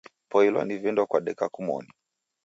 Poilwa ni vindo kwadeka kumoni.